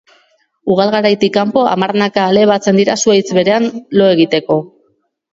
Ugal-garaitik kanpo hamarnaka ale batzen dira zuhaitz berean lo egiteko.